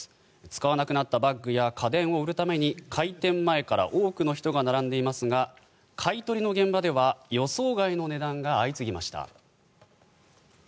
使わなくなったバッグや家電を売るために開店前から多くの人が並んでいますが買い取りの現場では予想外の値段が相次ぎました。